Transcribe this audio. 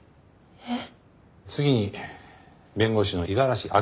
えっ！？